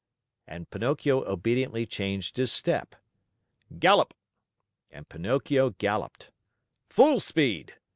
and Pinocchio obediently changed his step. "Gallop!" and Pinocchio galloped. "Full speed!"